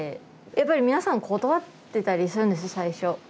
やっぱり皆さん断ってたりするんです最初。